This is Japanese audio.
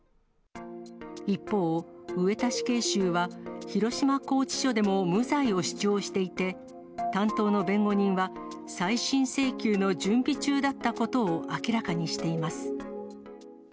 一方、上田死刑囚は広島拘置所でも無罪を主張していて、担当の弁護人は、再審請求の準備中だったことを明らかにしています。